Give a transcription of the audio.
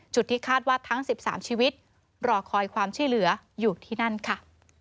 ที่คาดว่าทั้ง๑๓ชีวิตรอคอยความช่วยเหลืออยู่ที่นั่นค่ะ